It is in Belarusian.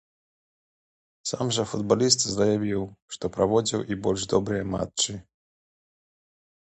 Сам жа футбаліст заявіў, што праводзіў і больш добрыя матчы.